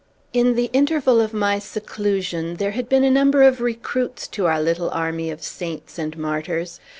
In the interval of my seclusion, there had been a number of recruits to our little army of saints and martyrs.